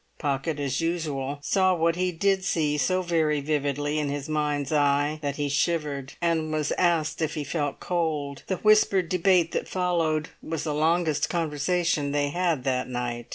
Pocket, as usual, saw what he did see so very vividly, in his mind's eye, that he shivered and was asked if he felt cold. The whispered debate that followed was the longest conversation they had that night.